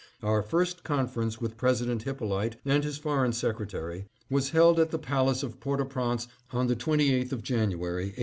Our first conference with President Hyppolite and his foreign secretary was held at the palace at Port au Prince on the 28th of January, 1891.